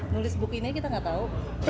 nulis buku ini kita nggak tahu